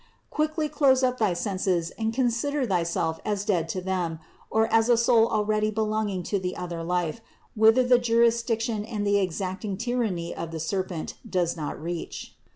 Quickly close up thy senses and consider thyself as dead to them, or as a soul already belonging to the other life, whither the jurisdiction and the exacting tyranny of the serpent does not reach.